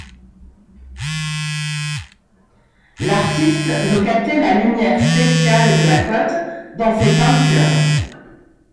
L'artiste veut capter la lumière spéciale de la côte dans ses peintures.